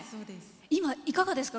今、いかがですか？